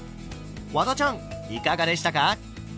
ワダちゃんいかがでしたか？